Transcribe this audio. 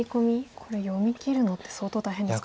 これ読みきるのって相当大変ですか。